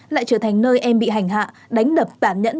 lại trở thành nơi em bị hành hạ đánh đập tản nhẫn